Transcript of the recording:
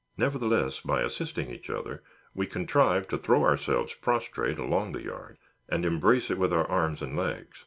Nevertheless, by assisting each other, we contrived to throw ourselves prostrate along the yard, and embrace it with our arms and legs.